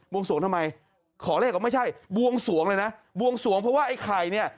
วงสวงทำไมขอเลขก็ไม่ใช่บวงสวงเลยนะบวงสวงเพราะว่าไอ้ไข่เนี่ย